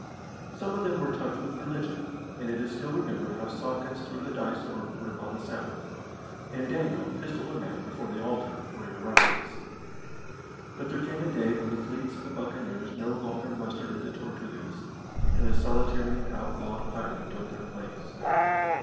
Some of them were touched with religion, and it is still remembered how Sawkins threw the dice overboard upon the Sabbath, and Daniel pistolled a man before the altar for irreverence. But there came a day when the fleets of the Buccaneers no longer mustered at the Tortugas, and the solitary and outlawed pirate took their place.